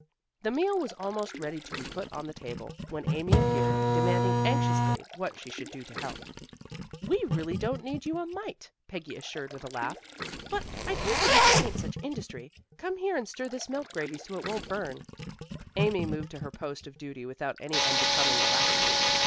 The meal was almost ready to be put on the table, when Amy appeared, demanding anxiously what she should do to help. "We really don't need you a mite," Peggy assured, with a laugh. "But I'd hate to disappoint such industry. Come here and stir this milk gravy so it won't burn." Amy moved to her post of duty without any unbecoming alacrity.